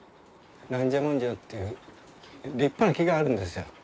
なんじゃもんじゃっていう立派な木があるんですよ。